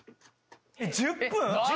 １０分？